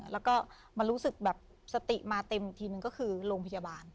แล้วก็มันรู้สึกแบบสติมาเต็มอีกทีนึงก็คือโรงพยาบาล